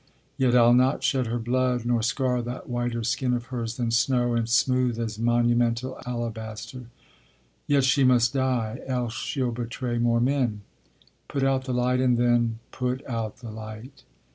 Yet I'll not shed her blood, Nor scar that whiter skin of hers than snow, And smooth as monumental alabaster. Yet she must die, else she'll betray more men. Put out the light, and then put out the light!